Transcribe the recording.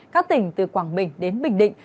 các tỉnh từ quảng bình đến bình định